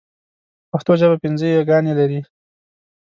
پښتو ژبه پنځه ی ګانې لري.